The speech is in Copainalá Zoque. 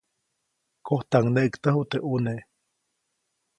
Kojtaŋneʼktäju teʼ ʼnune.